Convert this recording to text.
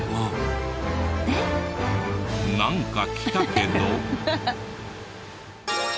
えっ？なんか来たけど。